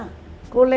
jadi isi sama kulit